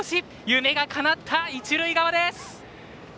夢がかなった一塁側です！